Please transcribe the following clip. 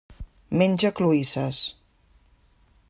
Menja cloïsses.